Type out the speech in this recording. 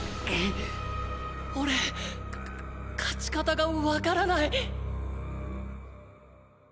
おれ勝ち方がわからない。